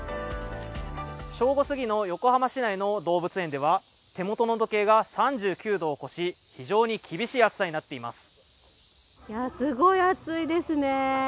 正午すぎの横浜市内の動物園では手元の温度計が３９度を超し非常に厳しい暑さになっています。